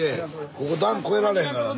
ここ段越えられへんからね。